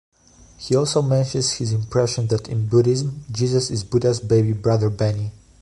He also mentions his impression that in Buddhism, Jesus is "Buddha's baby brother Benny".